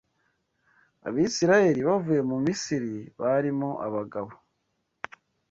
Abisirayeli bavuye mu Misiri barimo abagabo